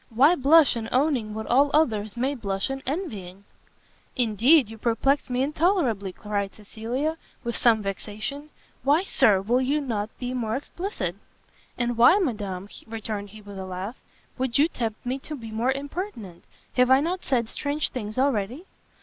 Why blush in owning what all others may blush in envying?" "Indeed you perplex me intolerably," cried Cecilia, with some vexation, "why Sir, will you not be more explicit?" "And why, Madam," returned he, with a laugh, "would you tempt me to be more impertinent? have I not said strange things already?"